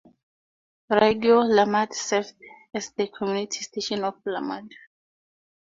Radyo Lumad serves as the community station for the Lumad.